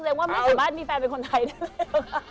เรียกว่าไม่สามารถมีแฟนเป็นคนไทยได้เลยค่ะ